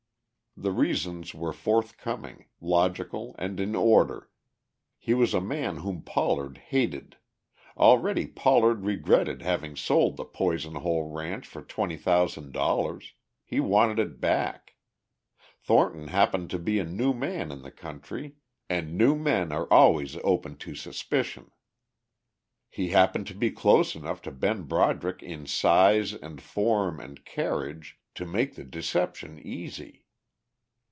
The reasons were forthcoming, logical and in order: he was a man whom Pollard hated; already Pollard regretted having sold the Poison Hole ranch for twenty thousand dollars; he wanted it back; Thornton happened to be a new man in the country and new men are always open to suspicion; he happened to be close enough to Ben Broderick in size and form and carriage to make the deception easy.